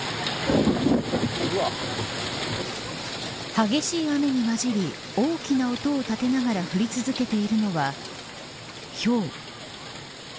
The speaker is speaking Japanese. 激しい雨に交じり大きな音を立てながら降り続けているのは、ひょう。